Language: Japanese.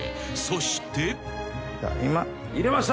［そして］